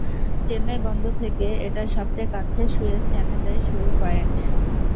চেন্নাই বন্দর থেকে এটা সবচেয়ে কাছের সুয়েজ চ্যানেলের শুরুর পয়েন্ট।